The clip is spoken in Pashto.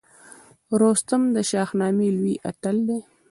رستم د شاهنامې لوی اتل دی